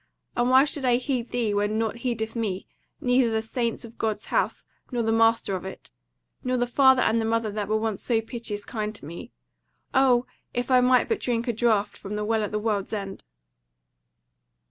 And why should I heed thee when nought heedeth me, neither the Saints of God's House, nor the Master of it; nor the father and the mother that were once so piteous kind to me? O if I might but drink a draught from the WELL AT THE WORLD'S END!"